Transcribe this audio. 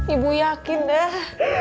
ibu yakin dah